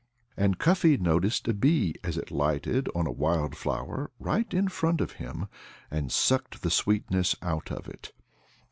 And Cuffy noticed a bee as it lighted on a wild flower right in front of him and sucked the sweetness out of it.